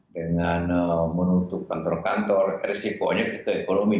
dengan menutup kantor kantor resikonya ke ekonomi